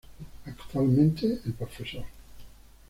Actualmente, el Prof.